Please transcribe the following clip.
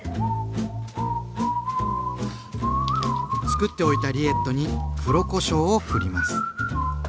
つくっておいたリエットに黒こしょうをふります。